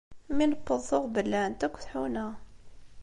Mi newweḍ tuɣ bellɛent akk tḥuna.